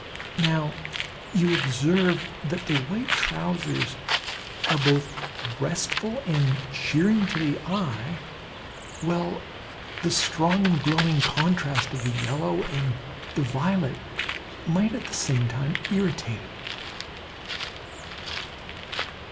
Now you observe that the white trousers are both restful and cheering to the eye while the strong and glowing contrast of the yellow and the violet might at the same time irritate it.